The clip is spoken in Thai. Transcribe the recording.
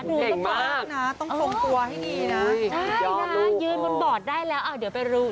เห็นไหมต้องส่งตัวให้ดีน่ะได้น่ะยืนบนบอร์ดได้แล้วอ่ะเดี๋ยวไปดู